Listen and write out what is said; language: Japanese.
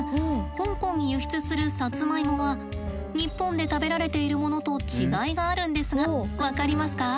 香港に輸出するさつまいもは日本で食べられているものと違いがあるんですが分かりますか？